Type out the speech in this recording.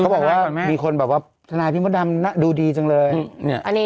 เขาบอกว่ามีคนแบบว่าทนายพี่มะดำน่ะดูดีจังเลยเนี่ยอันนี้